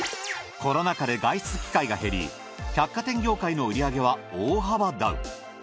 コロナ禍で外出機会が減り百貨店業界の売り上げは大幅ダウン。